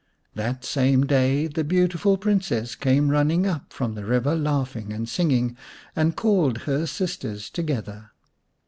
That same day the beautiful Princess came running up from the river laughing and singing, and called her sisters together.